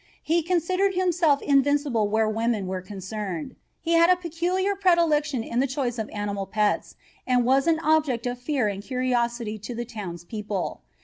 He considered himself invincible where women were concerned. He had a peculiar predilection in the choice of animal pets and was an object of fear and curiosity to the towns people.